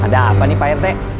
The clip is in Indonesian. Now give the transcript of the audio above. ada apa nih pak rt